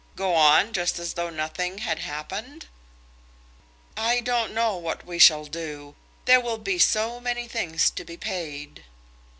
Go on just as though nothing had happened?" "I don't know what we shall do. There will be so many things to be paid."